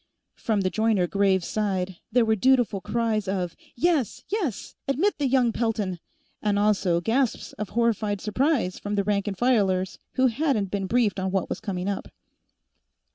From the Joyner Graves side, there were dutiful cries of, "Yes! Yes! Admit the young Peltons!" and also gasps of horrified surprise from the rank and filers who hadn't been briefed on what was coming up.